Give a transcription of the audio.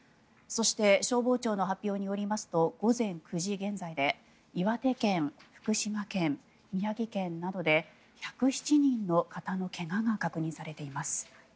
そして消防庁の発表によりますと午前９時現在で岩手県、福島県、宮城県などで１０７人の方の怪我が確認されています。